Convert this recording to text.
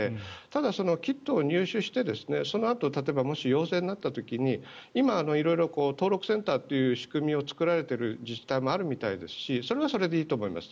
ただ、キットを入手してそのあともし陽性になった時に今、色々登録センターという仕組みを作られている自治体もあるようですしそれはそれでいいと思います。